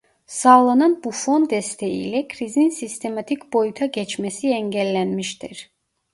Sağlanan bu fon desteği ile krizin sistematik boyuta geçmesi engellenmiştir.